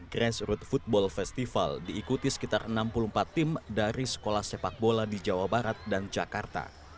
grassroot football festival diikuti sekitar enam puluh empat tim dari sekolah sepak bola di jawa barat dan jakarta